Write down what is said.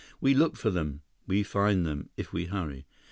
"We look for them. We find them—if we hurry."